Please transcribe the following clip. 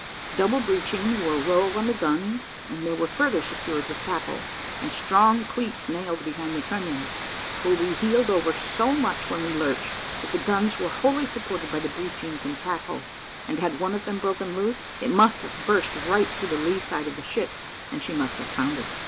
Double breechings were rove on the guns, and they were further secured with tackles; and strong cleats nailed behind the trunnions; for we heeled over so much when we lurched, that the guns were wholly supported by the breechings and tackles, and had one of them broken loose, it must have burst right through the lee side of the ship, and she must have foundered.